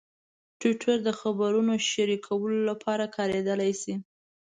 ټویټر د خبرونو شریکولو لپاره کارېدلی شي.